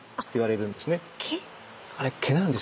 あれ毛なんですよ。